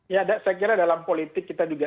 ya saya kira dalam politik kita juga